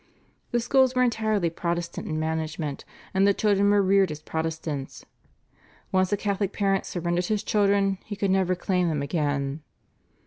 The schools were entirely Protestant in management, and the children were reared as Protestants. Once a Catholic parent surrendered his children he could never claim them again.